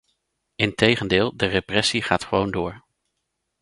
Integendeel, de repressie gaat gewoon door.